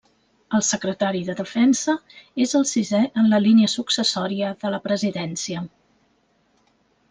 El secretari de Defensa és el sisè en la línia successòria de la presidència.